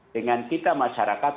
dengan kita masyarakat